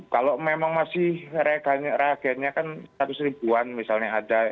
kalau memang masih reagennya kan seratus ribuan misalnya ada